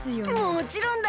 もちろんだ！